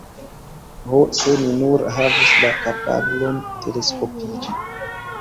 Ho, se mi nur havus la kapablon teleskopiĝi.